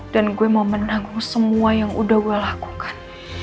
dan gue mau menanggung semua yang udah gue lakukan